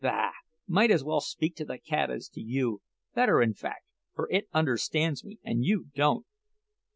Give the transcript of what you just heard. Bah! might as well speak to the cat as to you better, in fact, for it understands me, and you don't."